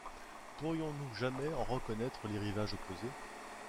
Pourrions-nous jamais en reconnaître les rivages opposés ?